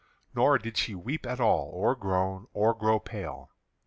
Nor did she weep at all, or groan, or grow pale.